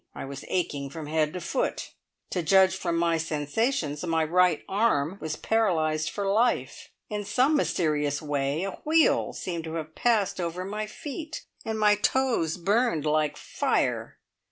I was aching from head to foot. To judge from my sensations, my right arm was paralysed for life. In some mysterious way a wheel seemed to have passed over my feet, and my toes burned like fire.